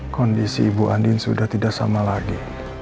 kondisi ibu andin sudah tidak sama lagi